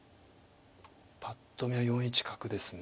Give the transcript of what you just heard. ぱっと見は４一角ですね。